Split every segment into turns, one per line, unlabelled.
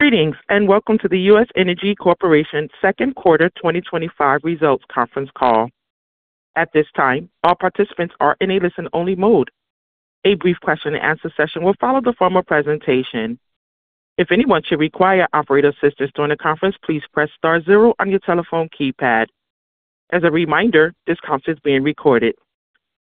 Greetings and welcome to the U.S. Energy Corp. Second Quarter 2025 Results Conference Call. At this time, all participants are in a listen-only mode. A brief question-and-answer session will follow the formal presentation. If anyone should require operator assistance during the conference, please press star zero on your telephone keypad. As a reminder, this conference is being recorded.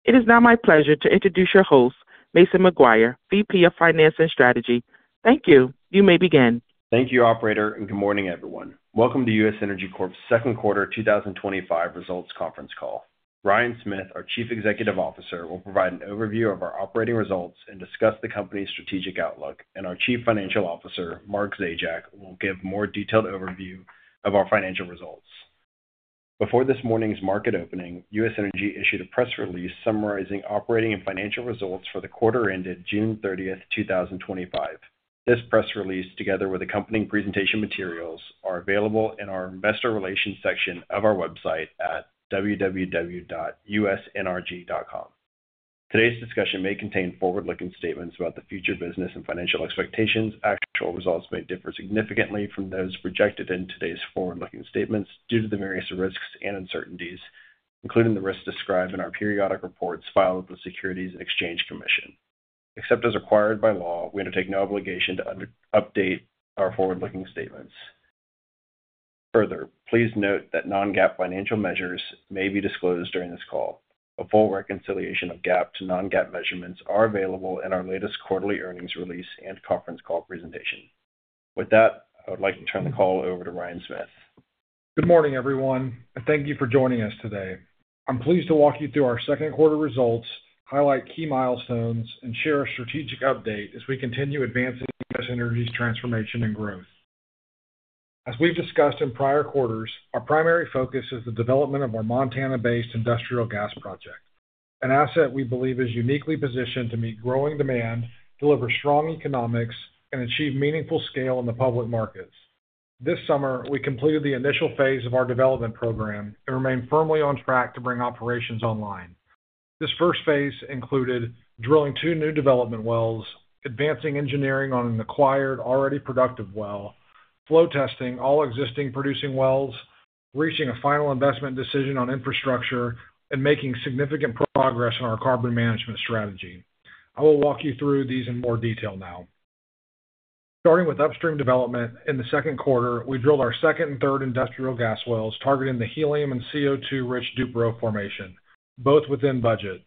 It is now my pleasure to introduce your host, Mason McGuire, VP of Finance and Strategy. Thank you. You may begin.
Thank you, Operator, and good morning, everyone. Welcome to U.S. Energy Corp.'s Second Quarter 2025 Results Conference Call. Ryan Smith, our Chief Executive Officer, will provide an overview of our operating results and discuss the company's strategic outlook, and our Chief Financial Officer, Mark Zajac, will give a more detailed overview of our financial results. Before this morning's market opening, U.S. Energy issued a press release summarizing operating and financial results for the quarter ended June 30th, 2025. This press release, together with accompanying presentation materials, is available in our Investor Relations section of our website at www.usnrg.com. Today's discussion may contain forward-looking statements about the future business and financial expectations. Actual results may differ significantly from those projected in today's forward-looking statements due to the various risks and uncertainties, including the risks described in our periodic reports filed with the Securities and Exchange Commission. Except as required by law, we undertake no obligation to update our forward-looking statements. Further, please note that non-GAAP financial measures may be disclosed during this call. A full reconciliation of GAAP to non-GAAP measurements is available in our latest quarterly earnings release and conference call presentation. With that, I would like to turn the call over to Ryan Smith.
Good morning, everyone, and thank you for joining us today. I'm pleased to walk you through our second quarter results, highlight key milestones, and share a strategic update as we continue advancing U.S. Energy's transformation and growth. As we've discussed in prior quarters, our primary focus is the development of our Montana-based industrial gas project, an asset we believe is uniquely positioned to meet growing demand, deliver strong economics, and achieve meaningful scale in the public markets. This summer, we completed the initial phase of our development program and remain firmly on track to bring operations online. This first phase included drilling two new development wells, advancing engineering on an acquired already productive well, flow testing all existing producing wells, reaching a final investment decision on infrastructure, and making significant progress on our carbon management strategy. I will walk you through these in more detail now. Starting with upstream development in the second quarter, we drilled our second and third industrial gas wells, targeting the helium and CO2-rich [Dugro] formation, both within budget.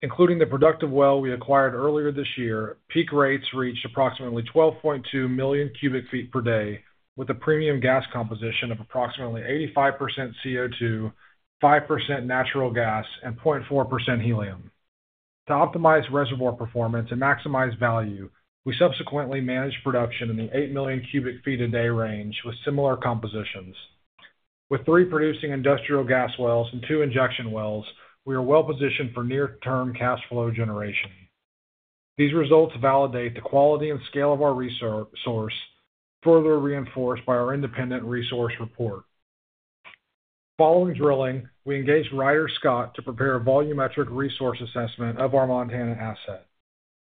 Including the productive well we acquired earlier this year, peak rates reached approximately 12.2 million cu ft per day, with a premium gas composition of approximately 85% CO2, 5% natural gas, and 0.4% helium. To optimize reservoir performance and maximize value, we subsequently managed production in the 8 million cu ft per day range with similar compositions. With three producing industrial gas wells and two injection wells, we are well positioned for near-term cash flow generation. These results validate the quality and scale of our resource, further reinforced by our independent resource report. Following drilling, we engaged Ryder Scott to prepare a volumetric resource assessment of our Montana asset.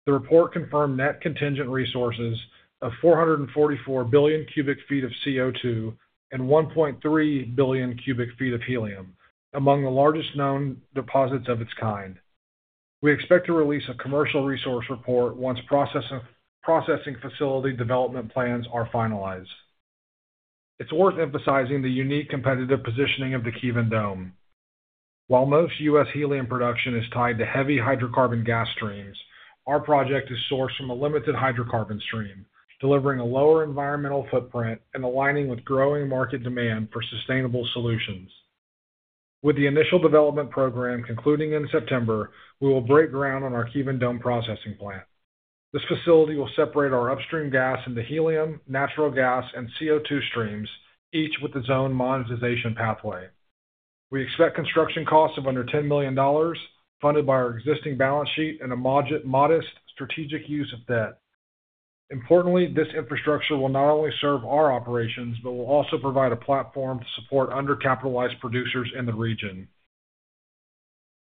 The report confirmed net contingent resources of 444 billion cu ft of CO2 and 1.3 billion cu ft of helium, among the largest known deposits of its kind. We expect to release a commercial resource report once processing facility development plans are finalized. It's worth emphasizing the unique competitive positioning of the Kevin Dome. While most U.S. helium production is tied to heavy hydrocarbon gas streams, our project is sourced from a limited hydrocarbon stream, delivering a lower environmental footprint and aligning with growing market demand for sustainable solutions. With the initial development program concluding in September, we will break ground on our Kevin Dome processing plant. This facility will separate our upstream gas into helium, natural gas, and CO2 streams, each with its own monetization pathway. We expect construction costs of under $10 million, funded by our existing balance sheet and a modest strategic use of debt. Importantly, this infrastructure will not only serve our operations but will also provide a platform to support under-capitalized producers in the region.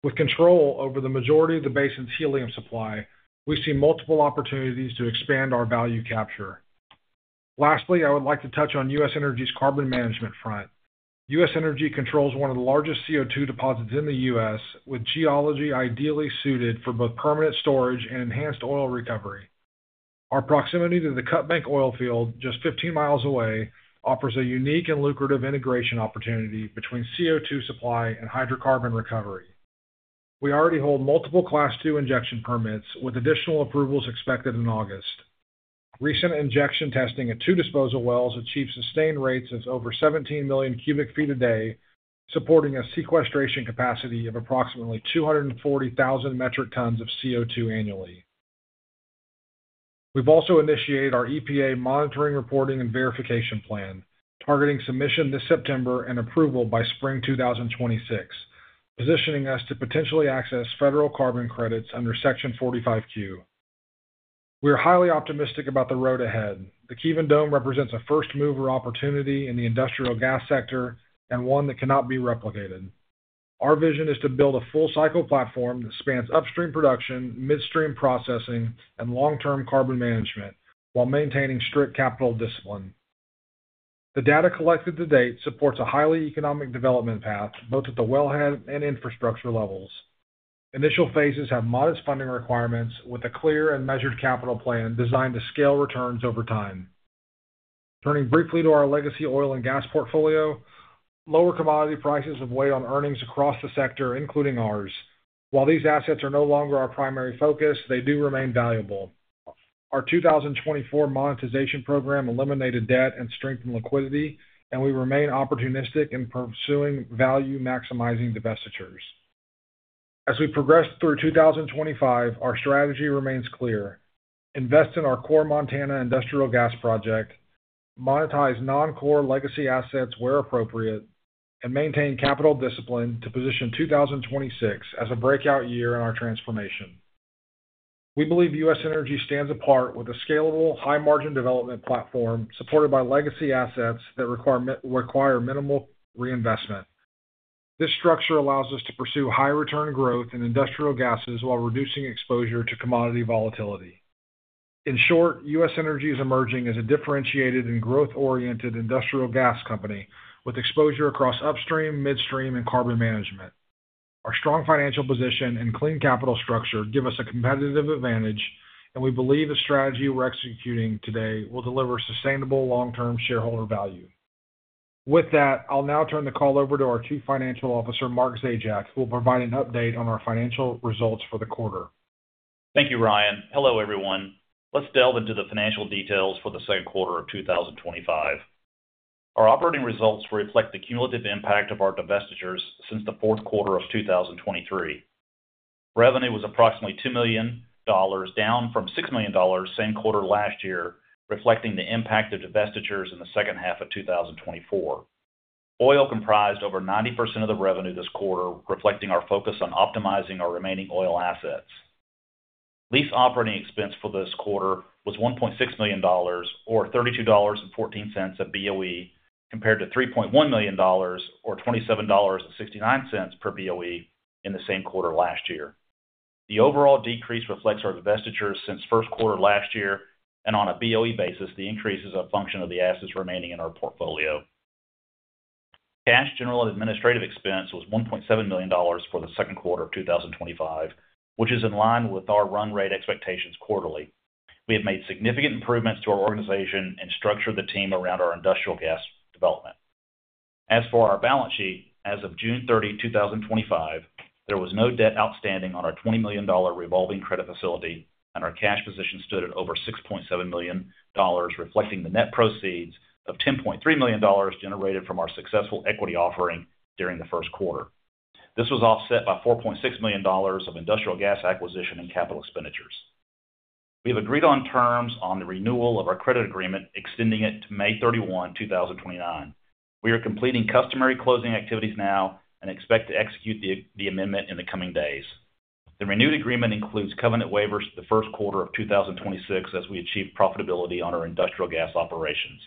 With control over the majority of the basin's helium supply, we see multiple opportunities to expand our value capture. Lastly, I would like to touch on U.S. Energy's carbon management front. U.S. Energy controls one of the largest CO2 deposits in the U.S., with geology ideally suited for both permanent storage and enhanced oil recovery. Our proximity to the Cut Bank oil field, just 15 mi away, offers a unique and lucrative integration opportunity between CO2 supply and hydrocarbon recovery. We already hold multiple Class II injection permits, with additional approvals expected in August. Recent injection testing at two disposal wells achieved sustained rates of over 17 million cu ft a day, supporting a sequestration capacity of approximately 240,000 metric tons of CO2 annually. We've also initiated our EPA monitoring, reporting, and verification plan, targeting submission this September and approval by spring 2026, positioning us to potentially access federal carbon credits under Section 45Q. We are highly optimistic about the road ahead. The Kevin Dome represents a first-mover opportunity in the industrial gas sector and one that cannot be replicated. Our vision is to build a full-cycle platform that spans upstream production, midstream processing, and long-term carbon management while maintaining strict capital discipline. The data collected to date supports a highly economic development path, both at the wellhead and infrastructure levels. Initial phases have modest funding requirements, with a clear and measured capital plan designed to scale returns over time. Turning briefly to our legacy oil and gas portfolio, lower commodity prices have weighed on earnings across the sector, including ours. While these assets are no longer our primary focus, they do remain valuable. Our 2024 monetization program eliminated debt and strengthened liquidity, and we remain opportunistic in pursuing value-maximizing divestitures. As we progress through 2025, our strategy remains clear: invest in our core Montana industrial gas project, monetize non-core legacy assets where appropriate, and maintain capital discipline to position 2026 as a breakout year in our transformation. We believe U.S. Energy stands apart with a scalable, high-margin development platform supported by legacy assets that require minimal reinvestment. This structure allows us to pursue high-return growth in industrial gases while reducing exposure to commodity volatility. In short, U.S. Energy is emerging as a differentiated and growth-oriented industrial gas company with exposure across upstream, midstream, and carbon management. Our strong financial position and clean capital structure give us a competitive advantage, and we believe the strategy we're executing today will deliver sustainable long-term shareholder value. With that, I'll now turn the call over to our Chief Financial Officer, Mark Zajac, who will provide an update on our financial results for the quarter.
Thank you, Ryan. Hello, everyone. Let's delve into the financial details for the second quarter of 2025. Our operating results reflect the cumulative impact of our divestitures since the fourth quarter of 2023. Revenue was approximately $2 million, down from $6 million same quarter last year, reflecting the impact of divestitures in the second half of 2024. Oil comprised over 90% of the revenue this quarter, reflecting our focus on optimizing our remaining oil assets. Lease operating expense for this quarter was $1.6 million, or $32.14 a BOE, compared to $3.1 million, or $27.69 per BOE in the same quarter last year. The overall decrease reflects our divestitures since first quarter last year, and on a BOE basis, the increase is a function of the assets remaining in our portfolio. Cash general and administrative expense was $1.7 million for the second quarter of 2025, which is in line with our run rate expectations quarterly. We have made significant improvements to our organization and structured the team around our industrial gas development. As for our balance sheet, as of June 30, 2025, there was no debt outstanding on our $20 million revolving credit facility, and our cash position stood at over $6.7 million, reflecting the net proceeds of $10.3 million generated from our successful equity offering during the first quarter. This was offset by $4.6 million of industrial gas acquisition and capital expenditures. We have agreed on terms on the renewal of our credit agreement, extending it to May 31, 2029. We are completing customary closing activities now and expect to execute the amendment in the coming days. The renewed agreement includes covenant waivers for the first quarter of 2026 as we achieve profitability on our industrial gas operations.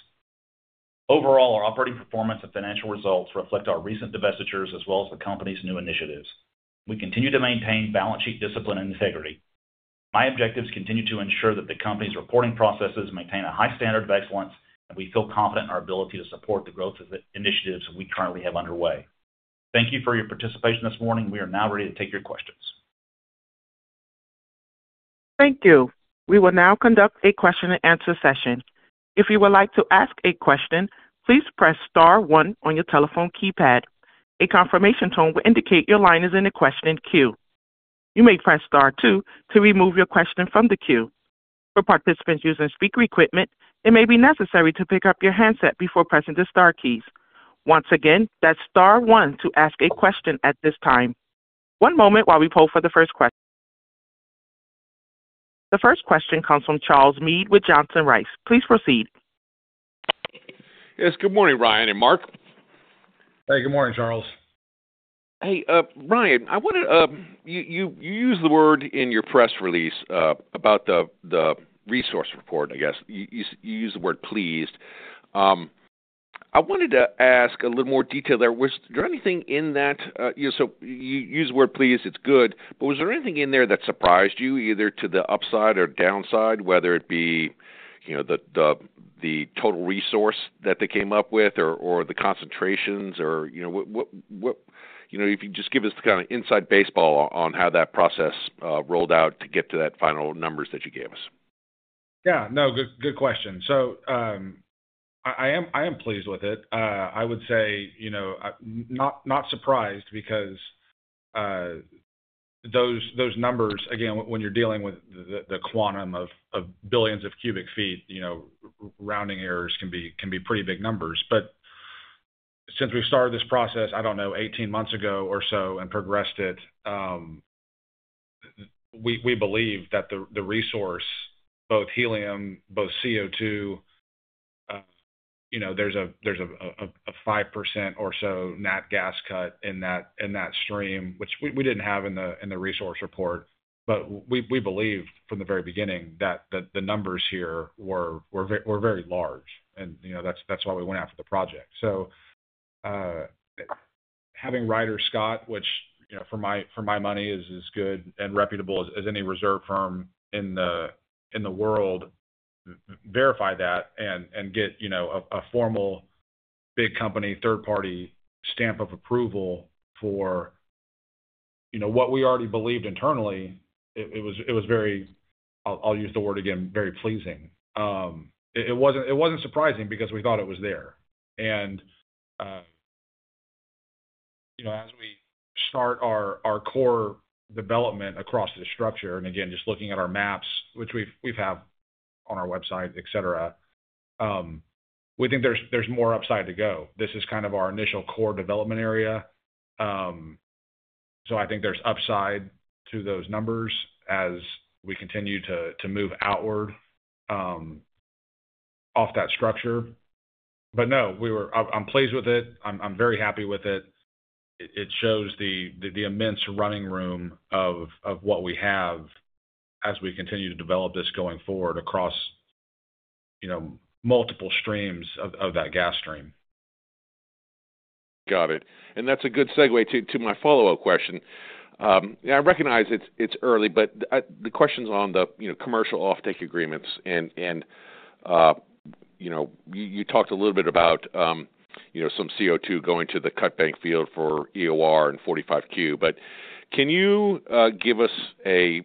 Overall, our operating performance and financial results reflect our recent divestitures as well as the company's new initiatives. We continue to maintain balance sheet discipline and integrity. My objectives continue to ensure that the company's reporting processes maintain a high standard of excellence, and we feel confident in our ability to support the growth initiatives we currently have underway. Thank you for your participation this morning. We are now ready to take your questions.
Thank you. We will now conduct a question-and-answer session. If you would like to ask a question, please press star one on your telephone keypad. A confirmation tone will indicate your line is in the question queue. You may press star two to remove your question from the queue. For participants using speaker equipment, it may be necessary to pick up your headset before pressing the star keys. Once again, that's star one to ask a question at this time. One moment while we pull for the first question. The first question comes from Charles Meade with Johnson Rice. Please proceed.
Yes, good morning, Ryan and Mark.
Hey, good morning, Charles.
Hey, Ryan, you used the word in your press release about the resource report, I guess. You used the word pleased. I wanted to ask a little more detail there. Was there anything in that? You used the word pleased. It's good. Was there anything in there that surprised you, either to the upside or downside, whether it be the total resource that they came up with or the concentrations? If you could just give us the kind of inside baseball on how that process rolled out to get to that final numbers that you gave us.
Yeah, no, good question. I am pleased with it. I would say, you know, not surprised because those numbers, again, when you're dealing with the quantum of billions of cu ft, rounding errors can be pretty big numbers. Since we started this process, I don't know, 18 months ago or so and progressed it, we believe that the resource, both helium, both CO2, you know, there's a 5% or so nat gas cut in that stream, which we didn't have in the resource report. We believed from the very beginning that the numbers here were very large. That's why we went after the project. Having Ryder Scott, which, you know, for my money, is as good and reputable as any reserve firm in the world, verify that and get a formal big-company third-party stamp of approval for what we already believed internally, it was very, I'll use the word again, very pleasing. It wasn't surprising because we thought it was there. As we start our core development across the structure, and again, just looking at our maps, which we have on our website, etc., we think there's more upside to go. This is kind of our initial core development area. I think there's upside to those numbers as we continue to move outward off that structure. No, I'm pleased with it. I'm very happy with it. It shows the immense running room of what we have as we continue to develop this going forward across multiple streams of that gas stream.
Got it. That's a good segue to my follow-up question. I recognize it's early, but the questions on the commercial offtake agreements, and you talked a little bit about some CO2 going to the Cut Bank field for EOR and 45Q. Can you give us a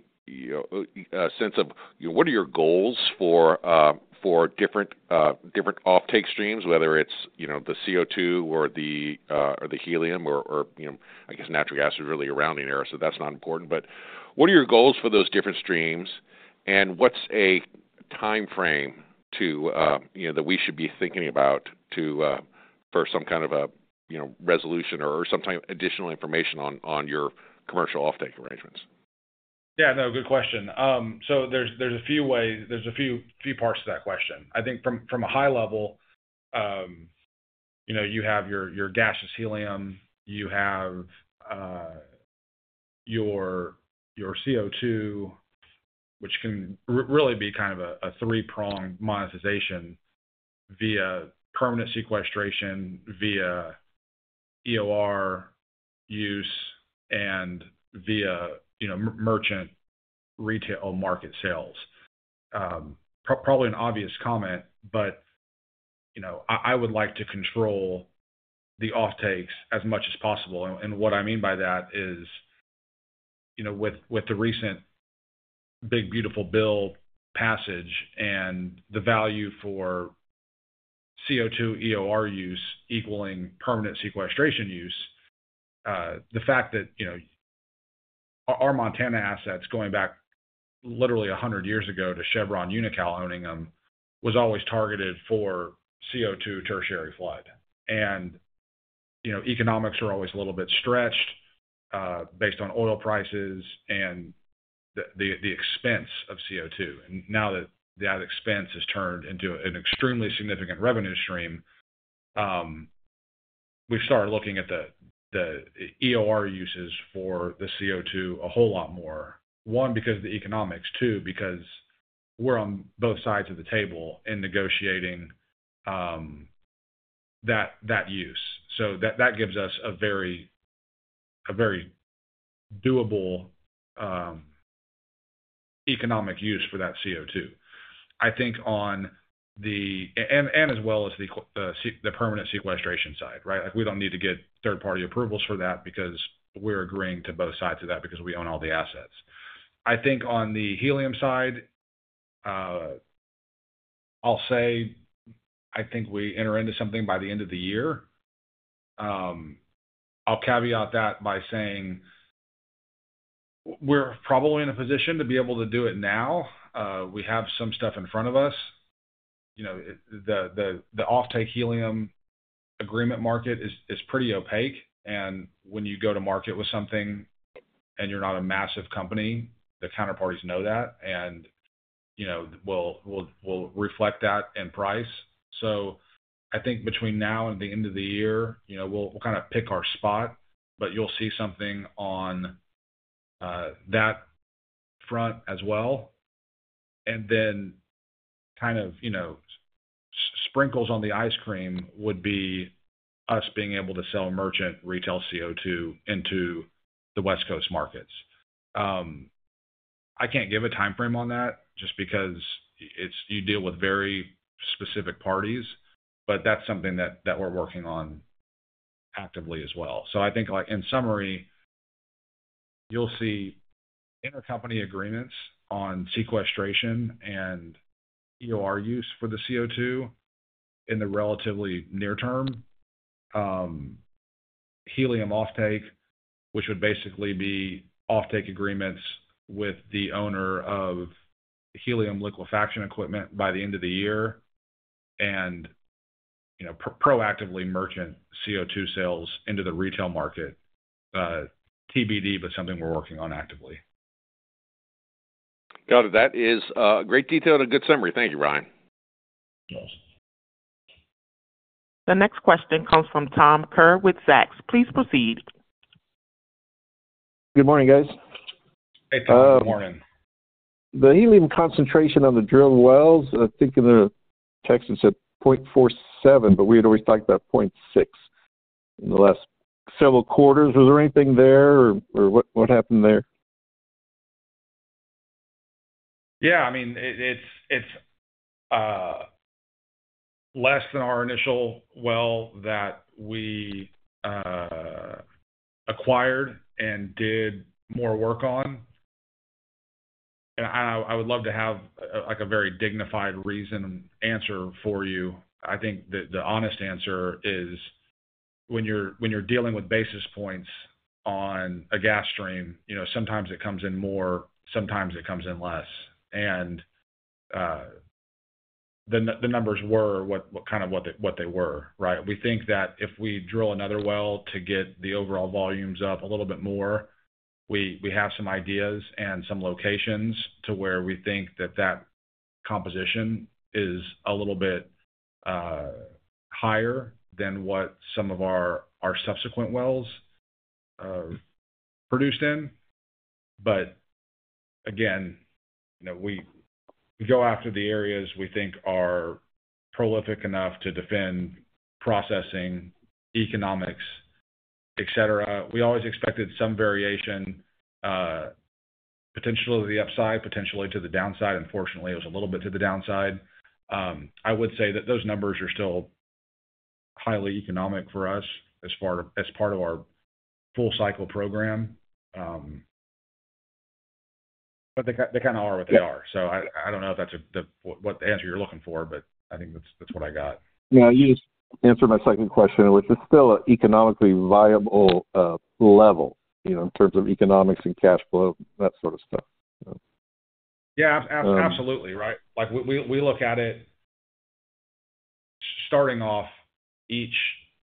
sense of what are your goals for different offtake streams, whether it's the CO2 or the helium, or I guess natural gas is really a rounding error, so that's not important. What are your goals for those different streams? What's a timeframe that we should be thinking about for some kind of resolution or some kind of additional information on your commercial offtake arrangements?
Yeah, good question. There's a few ways, there's a few parts to that question. I think from a high level, you have your gaseous helium, you have your CO2, which can really be kind of a three-pronged monetization via permanent sequestration, via EOR use, and via merchant retail market sales. Probably an obvious comment, but I would like to control the offtakes as much as possible. What I mean by that is, with the recent Big Beautiful Bill passage and the value for CO2 EOR use equaling permanent sequestration use, the fact that our Montana assets going back literally 100 years ago to Chevron Unocal owning them was always targeted for CO2 tertiary flood. Economics are always a little bit stretched based on oil prices and the expense of CO2. Now that that expense has turned into an extremely significant revenue stream, we've started looking at the EOR uses for the CO2 a whole lot more. One, because of the economics. Two, because we're on both sides of the table in negotiating that use. That gives us a very doable economic use for that CO2. I think on the permanent sequestration side, we don't need to get third-party approvals for that because we're agreeing to both sides of that because we own all the assets. I think on the helium side, I'll say I think we enter into something by the end of the year. I'll caveat that by saying we're probably in a position to be able to do it now. We have some stuff in front of us. The offtake helium agreement market is pretty opaque. When you go to market with something and you're not a massive company, the counterparties know that and will reflect that in price. I think between now and the end of the year, we'll kind of pick our spot, but you'll see something on that front as well. Sprinkles on the ice cream would be us being able to sell merchant retail CO2 into the West Coast markets. I can't give a timeframe on that just because you deal with very specific parties, but that's something that we're working on actively as well. In summary, you'll see intercompany agreements on sequestration and EOR use for the CO2 in the relatively near term, helium offtake, which would basically be offtake agreements with the owner of helium liquefaction equipment by the end of the year, and proactively merchant CO2 sales into the retail market. TBD, but something we're working on actively.
Got it. That is a great detail and a good summary. Thank you, Ryan.
Yes.
The next question comes from Tom Kerr with Zacks. Please proceed.
Good morning, guys.
Hey, Tom. Good morning.
The helium concentration on the drilled wells, I think in the check sheet said 0.47%, but we had always talked about 0.6% in the last several quarters. Was there anything there or what happened there?
Yeah, I mean, it's less than our initial well that we acquired and did more work on. I would love to have like a very dignified reason answer for you. I think that the honest answer is when you're dealing with basis points on a gas stream, you know, sometimes it comes in more, sometimes it comes in less. The numbers were kind of what they were, right? We think that if we drill another well to get the overall volumes up a little bit more, we have some ideas and some locations where we think that that composition is a little bit higher than what some of our subsequent wells produced in. Again, we go after the areas we think are prolific enough to defend processing, economics, etc. We always expected some variation, potentially to the upside, potentially to the downside. Unfortunately, it was a little bit to the downside. I would say that those numbers are still highly economic for us as part of our full cycle program. They kind of are what they are. I don't know if that's the answer you're looking for, but I think that's what I got.
You just answered my second question with, is this still an economically viable level, you know, in terms of economics and cash flow, that sort of stuff?
Yeah, absolutely, right? We look at it starting off each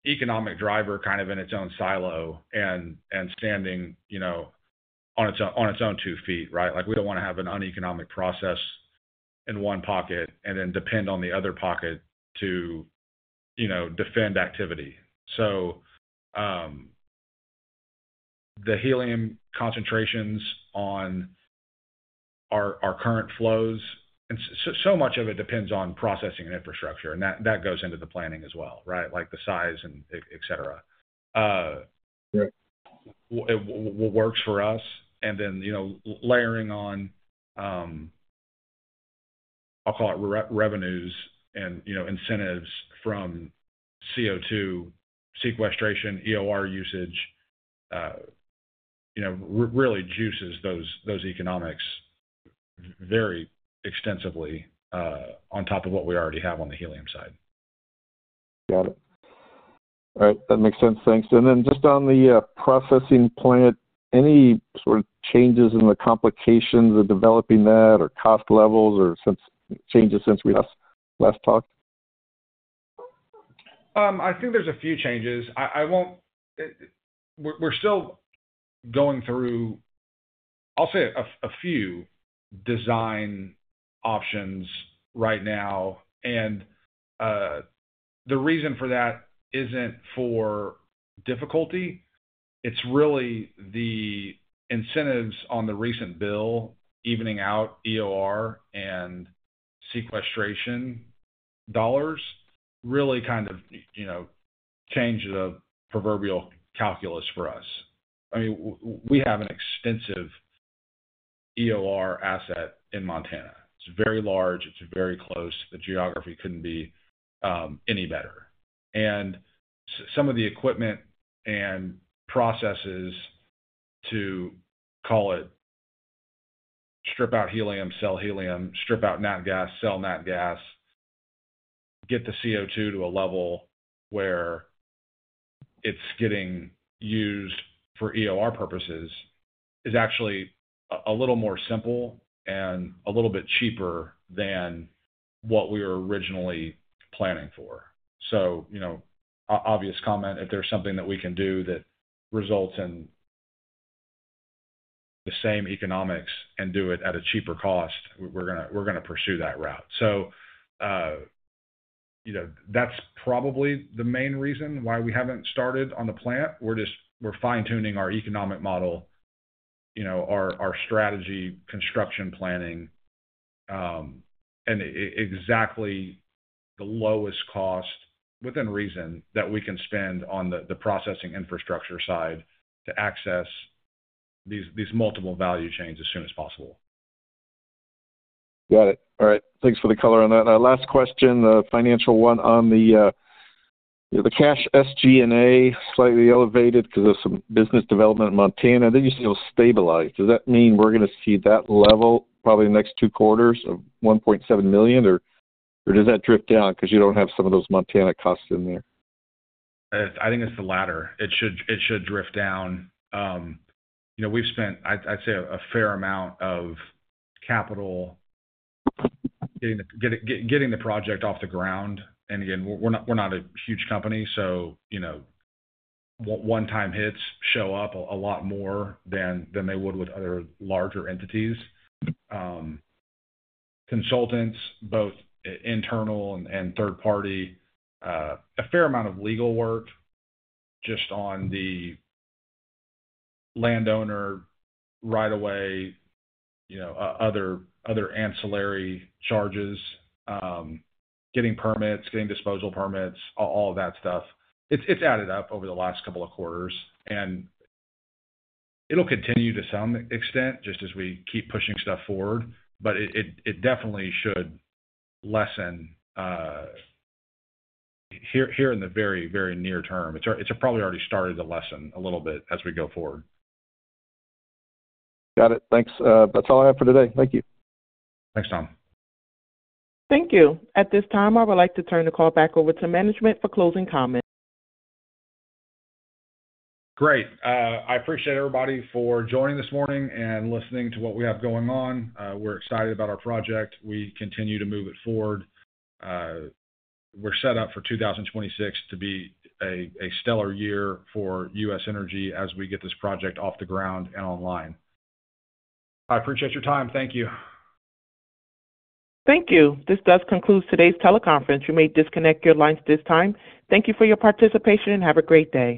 economic driver kind of in its own silo and standing on its own two feet, right? We don't want to have an uneconomic process in one pocket and then depend on the other pocket to defend activity. The helium concentrations on our current flows, and so much of it depends on processing and infrastructure, and that goes into the planning as well, right? The size and etc. What works for us, and then layering on, I'll call it revenues and incentives from CO2 sequestration, EOR usage, really juices those economics very extensively on top of what we already have on the helium side.
Got it. All right, that makes sense. Thanks. Just on the processing plant, any sort of changes in the complications of developing that or cost levels or changes since we last talked?
I think there's a few changes. We're still going through a few design options right now. The reason for that isn't for difficulty. It's really the incentives on the recent bill, evening-out EOR and sequestration dollars, really kind of changed the proverbial calculus for us. I mean, we have an extensive EOR asset in Montana. It's very large. It's very close. The geography couldn't be any better. Some of the equipment and processes to call it strip-out helium, sell helium, strip-out nat gas, sell nat gas, get the CO2 to a level where it's getting used for EOR purposes is actually a little more simple and a little bit cheaper than what we were originally planning for. Obvious comment, if there's something that we can do that results in the same economics and do it at a cheaper cost, we're going to pursue that route. That's probably the main reason why we haven't started on the plant. We're just fine-tuning our economic model, our strategy, construction planning, and exactly the lowest cost within reason that we can spend on the processing infrastructure side to access these multiple value chains as soon as possible.
Got it. All right. Thanks for the color on that. Our last question, the financial one on the cash SG&A, slightly elevated because of some business development in Montana. I think you said it'll stabilize. Does that mean we're going to see that level probably in the next two quarters of $1.7 million, or does that drift down because you don't have some of those Montana costs in there?
I think it's the latter. It should drift down. We've spent, I'd say, a fair amount of capital getting the project off the ground. We're not a huge company, so one-time hits show up a lot more than they would with other larger entities. Consultants, both internal and third-party, a fair amount of legal work just on the landowner right-of-way, other ancillary charges, getting permits, getting disposal permits, all of that stuff. It's added up over the last couple of quarters. It'll continue to some extent just as we keep pushing stuff forward, but it definitely should lessen here in the very, very near term. It's probably already started to lessen a little bit as we go forward.
Got it. Thanks. That's all I have for today. Thank you.
Thanks, Tom.
Thank you. At this time, I would like to turn the call back over to management for closing comments.
Great. I appreciate everybody for joining this morning and listening to what we have going on. We're excited about our project. We continue to move it forward. We're set up for 2026 to be a stellar year for U.S. Energy as we get this project off the ground and online. I appreciate your time. Thank you.
Thank you. This does conclude today's teleconference. You may disconnect your lines at this time. Thank you for your participation and have a great day.